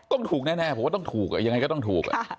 ต้องถูกแน่ผมว่าต้องถูกยังไงก็ต้องถูก